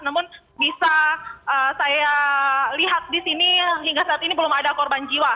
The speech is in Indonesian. namun bisa saya lihat di sini hingga saat ini belum ada korban jiwa